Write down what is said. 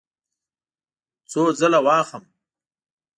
څو ځله واخلم؟